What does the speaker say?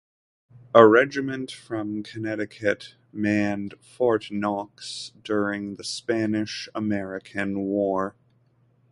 A regiment from Connecticut manned Fort Knox during the Spanish-American War.